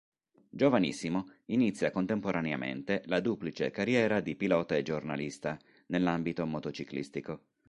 Giovanissimo, inizia contemporaneamente la duplice carriera di pilota e giornalista, nell'ambito motociclistico.